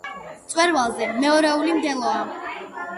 მწვერვალზე მეორეული მდელოა.